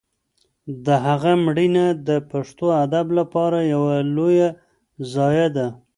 د هغه مړینه د پښتو ادب لپاره یوه لویه ضایعه ده.